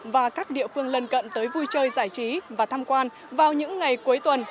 và các địa phương lân cận tới vui chơi giải trí và tham quan vào những ngày cuối tuần